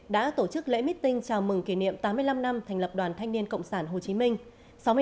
đã tổ chức lễ meeting chào mừng kỷ niệm tám mươi năm năm thành lập đoàn thanh niên cộng sản hồ chí minh